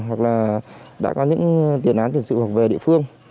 hoặc là đã có những tiền án tiền sự hoặc về địa phương